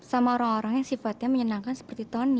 sama orang orang yang sifatnya menyenangkan seperti tony